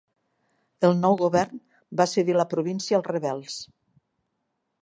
El nou govern va cedir la província als rebels.